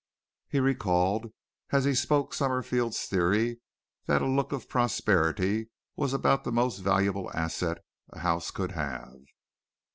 He recalled as he spoke Summerfield's theory that a look of prosperity was about the most valuable asset a house could have.